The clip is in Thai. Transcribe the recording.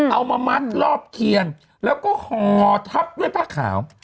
เอามามัดรอบเคียนแล้วก็ห่อทับด้วยผ้าขาว